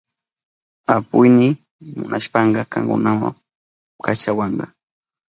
Apuyni munashpanka kankunama kachawanka.